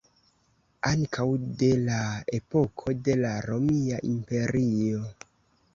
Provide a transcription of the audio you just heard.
Ankaŭ de la epoko de la Romia Imperio.